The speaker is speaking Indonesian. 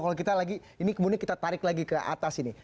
kalau kita lagi ini kemudian kita tarik lagi ke atas ini